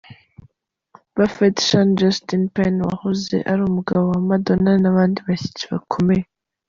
Buffet, Sean Justin Penn wahoze ari umugabo wa Madonna n’abandi bashyitsi bakomeye.